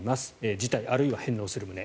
辞退、あるいは返納する旨。